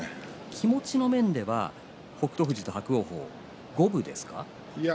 気持ちの面では北勝富士と伯桜鵬、五分ですか？